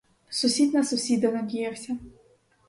Сусід на сусіда надіявся.